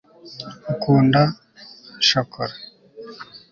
ukunda shokora